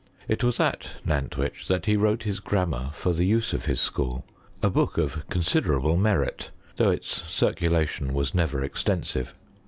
It was at Nantwich that he wrote his grammar for the use of his school, a book of considerable merit, though its circulation uas never extensive.